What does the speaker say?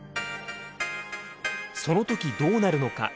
その時どうなるのか？